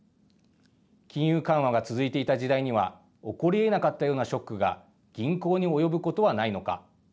金融緩和が続いていた時代には起こりえなかったようなショックが銀行に及ぶことはないのか。